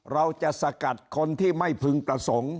เราจะสกัดคนที่ไม่พึงประสงค์